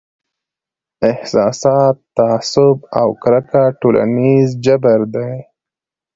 احساسات، تعصب او کرکه ټولنیز جبر دی.